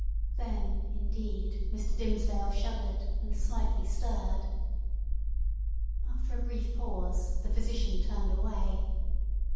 Then, indeed, Mr. Dimmesdale shuddered, and slightly stirred. After a brief pause, the physician turned away.